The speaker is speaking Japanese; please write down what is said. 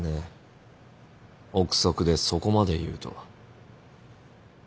臆測でそこまで言うとは。